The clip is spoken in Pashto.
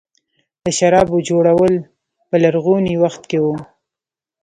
د شرابو جوړول په لرغوني وخت کې وو